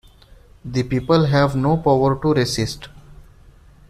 The people have no power to resist.